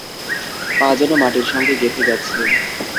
পা যেন মাটির সঙ্গে গেঁথে গেছে।